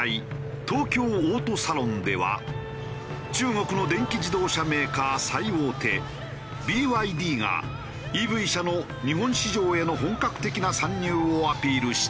東京オートサロンでは中国の電気自動車メーカー最大手ＢＹＤがＥＶ車の日本市場への本格的な参入をアピールした。